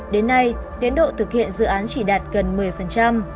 đến nay tiến độ thực hiện dự án chỉ đạt gần một mươi